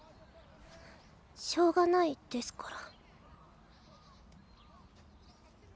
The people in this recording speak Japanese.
しょうがないですから。